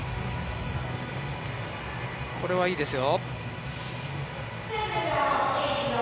これはいいですよ。